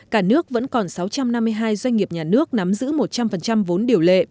cả nước vẫn còn sáu trăm năm mươi hai doanh nghiệp nhà nước nắm giữ một trăm linh vốn điều lệ